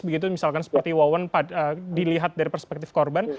begitu misalkan seperti wawan dilihat dari perspektif korban